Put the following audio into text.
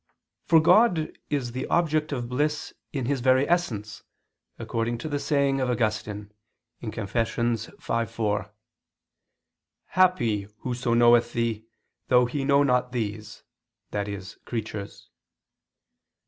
For God is the object of bliss in His very essence, according to the saying of Augustine (Confess. v, 4): "Happy whoso knoweth Thee, though he know not these," i.e. creatures.